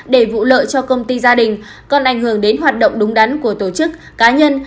để vụ lợi cho công ty gia đình còn ảnh hưởng đến hoạt động đúng đắn của tổ chức cá nhân